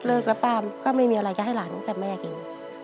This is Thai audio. เลิกแล้วป้าก็ไม่มีอะไรจะให้หลานตั้งแต่แม่กิน